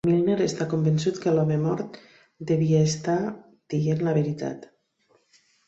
Milner està convençut que l'home mort devia haver estat dient la veritat.